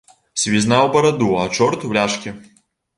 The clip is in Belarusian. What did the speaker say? Сівізна ў бараду, а чорт у ляшкі!